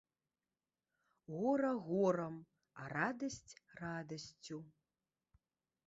Гора горам, а радасць радасцю.